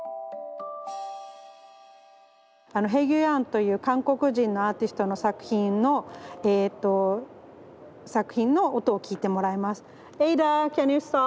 あのヘギュヤンという韓国人のアーティストの作品のえと作品の音を聞いてもらいます。